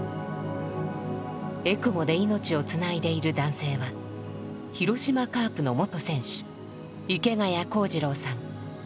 エクモで命をつないでいる男性は広島カープの元選手池谷公二郎さん。